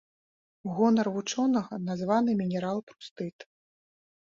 У гонар вучонага названы мінерал прустыт.